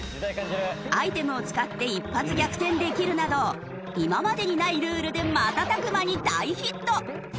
アイテムを使って一発逆転できるなど今までにないルールで瞬く間に大ヒット！